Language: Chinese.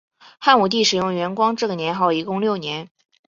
汉武帝使用元光这个年号一共六年。